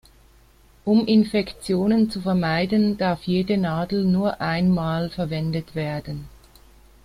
Um Infektionen zu vermeiden, darf jede Nadel nur einmal verwendet werden.